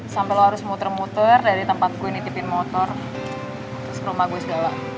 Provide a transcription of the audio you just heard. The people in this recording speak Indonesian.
sampai lo harus muter muter dari tempat gue nitipin motor terus rumah gue segala